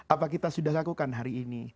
apa kita sudah lakukan hari ini